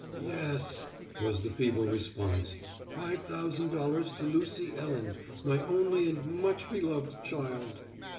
"Yes," was the feeble response, "five thousand dollars to Lucy Ellen, my only and much beloved child."